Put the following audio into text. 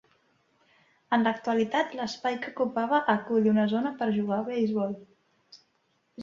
En l'actualitat l'espai que ocupava acull una zona per jugar a beisbol.